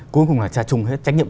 cuối cùng là trách nhiệm